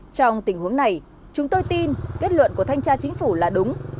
trong tình huống này chúng tôi tin kết luận của thanh tra chính phủ là đúng